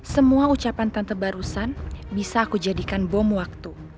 semua ucapan tante barusan bisa aku jadikan bom waktu